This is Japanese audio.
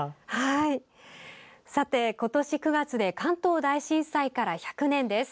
さて、今年９月で関東大震災から１００年です。